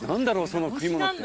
その食い物って。